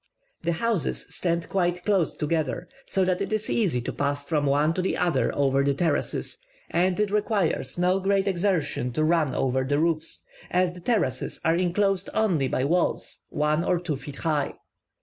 The houses stand quite close together, so that it is easy to pass from one to the other over the terraces, and it requires no great exertion to run over the roofs, as the terraces are enclosed only by walls one or two feet high.